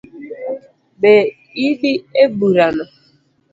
Be idi e bura no?